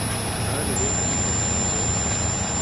ہر ایک کی پسند و